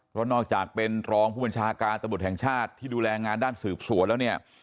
เพราะนอกจากเป็นรองผู้บัญชาการตำรวจแห่งชาติที่ดูแลงานด้านสืบสวนแล้วเนี่ย